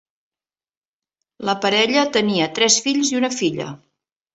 La parella tenia tres fills i una filla.